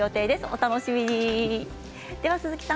お楽しみに。